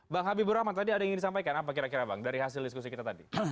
bang habibur rahman tadi ada yang ingin disampaikan apa kira kira bang dari hasil diskusi kita tadi